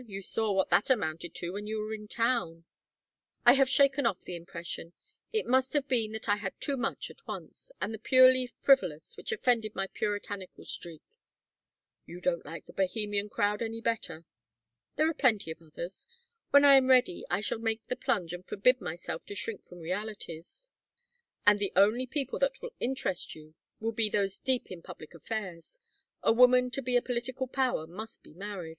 You saw what that amounted to when you were in town " "I have shaken off the impression. It must have been that I had too much at once and the purely frivolous, which offended my puritanical streak " "You don't like the Bohemian crowd any better." "There are plenty of others. When I am ready I shall make the plunge and forbid myself to shrink from realities " "And the only people that will interest you will be those deep in public affairs. A woman to be a political power must be married.